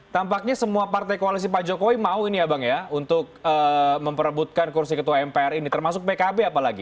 tampaknya semua partai koalisi pak jokowi mau ini ya bang ya untuk memperebutkan kursi ketua mpr ini termasuk pkb apalagi